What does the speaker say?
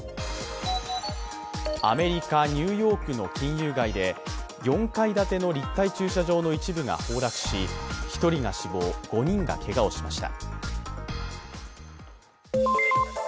アメリカ・ニューヨークの金融街で４階建ての立体駐車場の一部が崩落し１人が死亡、５人がけがをしました。